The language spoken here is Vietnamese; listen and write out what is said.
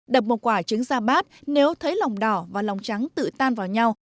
đập một quả trứng ra bát nếu thấy lòng đỏ và lòng trắng tự tan vào nhau